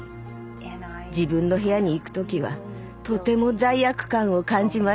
自分の部屋に行く時はとても罪悪感を感じました。